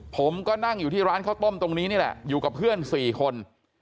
ผมก็นั่งอยู่ที่ร้านข้าวต้มตรงนี้นี่แหละอยู่กับเพื่อน๔คน